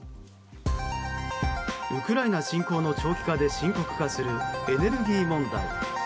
ウクライナ侵攻の長期化で深刻化するエネルギー問題。